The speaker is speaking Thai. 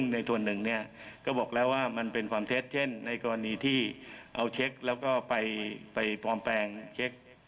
ในส่วนหนึ่งเนี่ยก็บอกแล้วว่ามันเป็นความเท็จเช่นในกรณีที่เอาเช็คแล้วก็ไปปลอมแปลงเช็ค